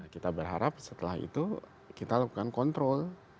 kita berharap setelah itu kita lakukan kontrol